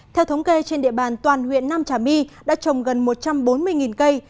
theo thống kê trên địa bàn toàn huyện nam trà my đã trồng gần một trăm bốn mươi cây